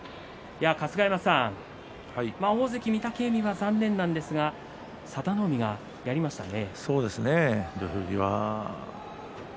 春日山さん、大関御嶽海は残念なんですが佐田の海は、やりましたね。